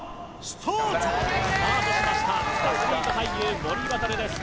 スタートしましたアスリート俳優森渉です